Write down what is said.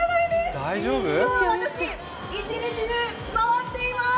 今日、私一日中回っています。